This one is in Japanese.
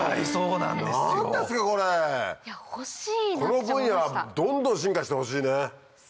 この分野はどんどん進化してほしいね！